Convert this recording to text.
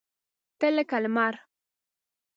تۀ لکه لمر !